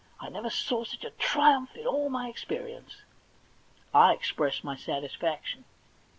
I never saw such a triumph in all my experience.' I expressed my satisfaction.